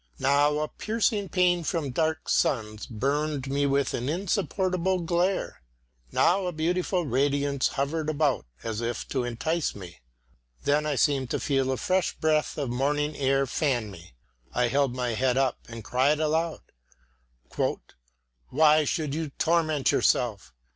Now a piercing pain from dark suns burned me with an insupportable glare, now a beautiful radiance hovered about as if to entice me. Then I seemed to feel a fresh breath of morning air fan me; I held my head up and cried aloud: "Why should you torment yourself?